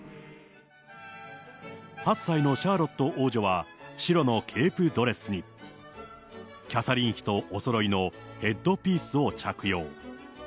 ８歳のシャーロット王女は白のケープドレスに、キャサリン妃とおそろいのヘッドピースを着用。